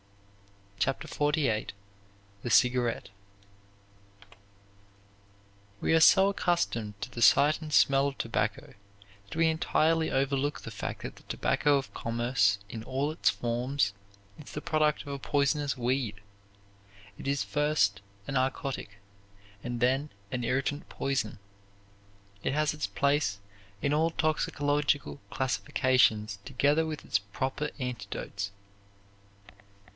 CHAPTER XLVIII THE CIGARETTE We are so accustomed to the sight and smell of tobacco that we entirely overlook the fact that the tobacco of commerce in all its forms is the product of a poisonous weed. It is first a narcotic and then an irritant poison. It has its place in all toxicological classifications together with its proper antidotes.